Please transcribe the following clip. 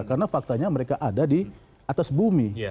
karena faktanya mereka ada di atas bumi